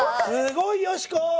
すごい！よしこ。